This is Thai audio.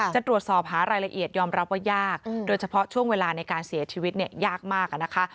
จะตรวจสอบหารายละเอียดยอมรับว่ายากโดยเฉพาะช่วงเวลาในการเสียชีวิตเนี่ยยากมากนะคะ